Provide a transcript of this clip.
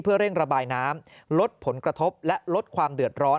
เพื่อเร่งระบายน้ำลดผลกระทบและลดความเดือดร้อน